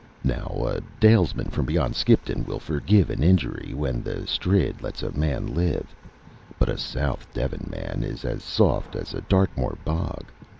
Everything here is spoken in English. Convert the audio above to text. Now, a Dalesman from beyond Skipton will forgive an injury when the Strid lets a man live; but a South Devon man is as soft as a Dartmoor bog.